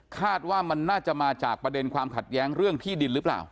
คาดว่ามันน่าจะมาจากประเด็นความขัดแย้งเรื่องที่ดินหรือเปล่า